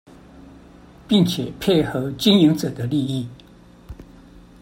並且配合經營者的利益